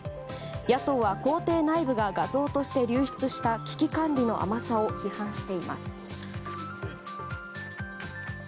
野党は公邸内部が画像として流出した危機管理の甘さを批判しています。